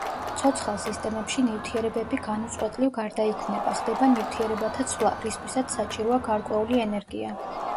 ცოცხალ სისტემებში ნივთიერებები განუწყვეტლივ გარდაიქმნება, ხდება ნივთიერებათა ცვლა, რისთვისაც საჭიროა გარკვეული ენერგია.